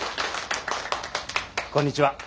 こんにちは。